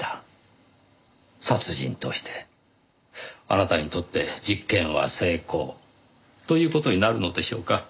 あなたにとって実験は成功という事になるのでしょうか？